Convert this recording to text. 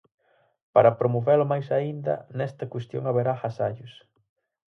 Para promovelo máis aínda, nesta cuestión haberá agasallos.